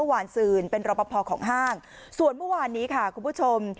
หวานซืนเป็นรอปภของห้างส่วนเมื่อวานนี้ค่ะคุณผู้ชม